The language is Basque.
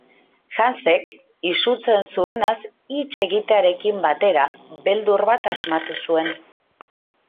Hansek, izutzen zuenaz hitz egitearekin batera, beldur bat asmatu zuen.